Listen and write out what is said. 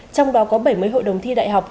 trong đó có bảy mươi hội đồng thi đại học